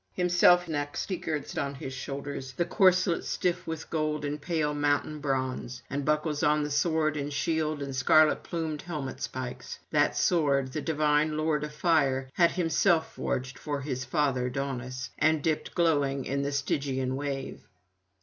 Himself next he girds on his shoulders the corslet stiff with gold and pale mountain bronze, and buckles on the sword and shield and scarlet plumed [90 124]helmet spikes: that sword the divine Lord of Fire had himself forged for his father Daunus and dipped glowing in the Stygian wave.